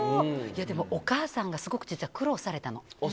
でもお母さんがすごく実は苦労されたの。